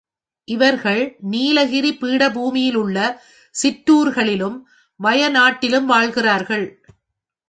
இவர்கள் நீலகிரிப் பீடபூமியிலுள்ள சிற்றூர்களிலும், வய நாட்டிலும் வாழ்கிறார்கள்.